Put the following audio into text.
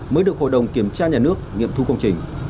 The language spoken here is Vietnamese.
mới được hội đồng kiểm tra nhà nước nghiệm thu công trình